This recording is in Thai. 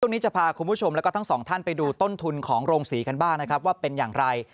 นี้จะพาคุณผู้ชมแล้วก็ทั้งสองท่านไปดูต้นทุนของโรงศรีกันบ้างนะครับว่าเป็นอย่างไร